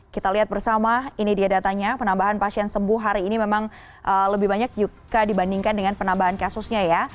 kita lihat bersama ini dia datanya penambahan pasien sembuh hari ini memang lebih banyak jika dibandingkan dengan penambahan kasusnya ya